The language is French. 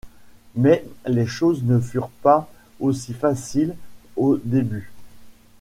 Mais les choses ne furent pas aussi faciles au début.